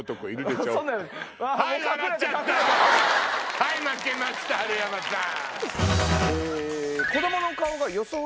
はい負けました春山さん。